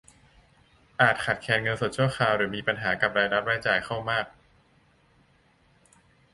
อาจขาดแคลนเงินสดชั่วคราวหรือมีปัญหากับรายรับรายจ่าย เข้ามาก